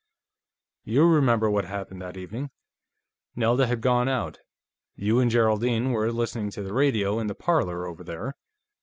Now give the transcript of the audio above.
You remember what happened that evening. Nelda had gone out. You and Geraldine were listening to the radio in the parlor, over there.